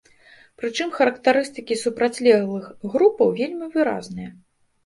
Прычым характарыстыкі супрацьлеглых групаў вельмі выразныя.